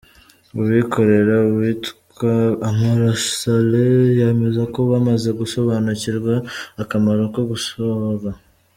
Uwikorera witwa Amora Saleh yemeza ko bamaze gusobanukirwa akamaro ko gusora.